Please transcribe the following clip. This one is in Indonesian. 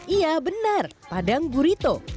iya benar padang burito